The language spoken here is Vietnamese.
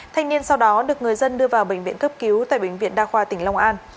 thanh niên sau đó được người dân đưa vào bệnh viện cấp cứu tại bệnh viện đa khoa tỉnh long an